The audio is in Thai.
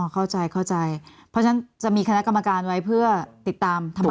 เข้าใจเข้าใจเพราะฉะนั้นจะมีคณะกรรมการไว้เพื่อติดตามทะเบียน